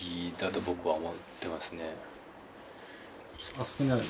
あそこにある。